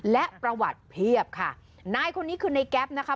และประวัติเพียบค่ะนายคนนี้คือในแก๊ปนะคะ